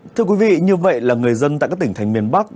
thưa quý vị như vậy là người dân tại các tỉnh thành miền bắc